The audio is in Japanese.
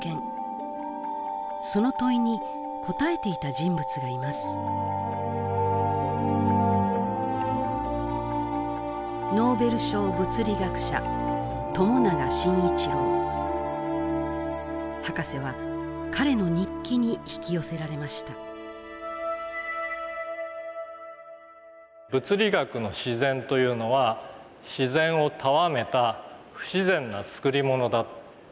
その問いに答えていた人物がいますノーベル賞物理学者ハカセは彼の日記に引き寄せられました「物理学の自然というのは自然をたわめた不自然な作りものだ」。